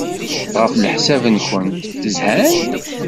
Ɣef leḥsab-nwent, zhan?